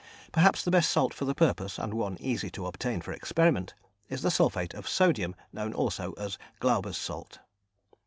Perhaps the best salt for the purpose, and one easy to obtain for experiment, is the sulphate of sodium known also as Glauber's Salt.